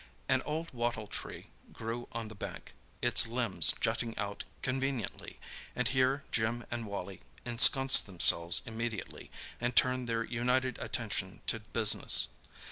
An old wattle tree grew on the bank, its limbs jutting out conveniently, and here Jim and Wally ensconced themselves immediately, and turned their united attention to business.